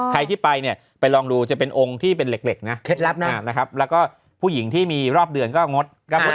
ใครที่ไปเนี่ยไปลองดูจะเป็นองค์ที่เป็นเหล็กนะเคล็ดลับนะครับแล้วก็ผู้หญิงที่มีรอบเดือนก็งด